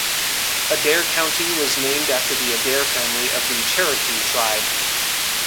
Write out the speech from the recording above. Adair County was named after the Adair family of the Cherokee tribe.